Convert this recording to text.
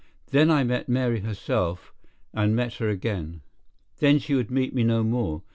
Then I met Mary herself—and met her again. Then she would meet me no more.